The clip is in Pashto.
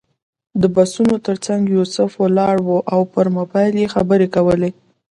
د بسونو تر څنګ یوسف ولاړ و او پر موبایل یې خبرې کولې.